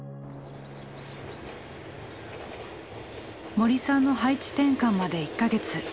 森さんの配置転換まで１か月。